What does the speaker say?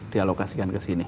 dialokasikan ke sini